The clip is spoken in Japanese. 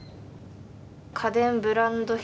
家電ブランド品